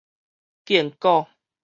建古